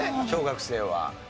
小学生は。